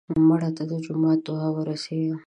مړه ته د جومات دعا ورسېږي